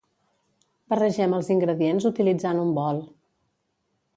Barregem els ingredients utilitzant un bol.